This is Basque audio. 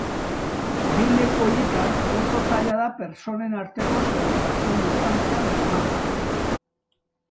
Bi leku horietan, oso zaila da pertsonen arteko segurtasun-distantzia bermatzea.